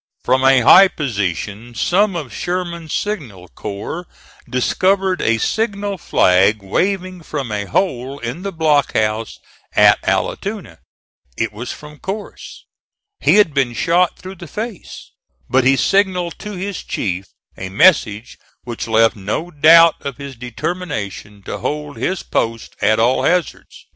From a high position some of Sherman's signal corps discovered a signal flag waving from a hole in the block house at Allatoona. It was from Corse. He had been shot through the face, but he signalled to his chief a message which left no doubt of his determination to hold his post at all hazards.